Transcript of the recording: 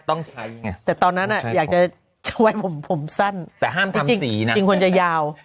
ต้องใช้ไงแต่ตอนนั้นอ่ะอยากจะช่วยผมผมสั้นแต่ห้ามที่สีนะจริงควรจะยาว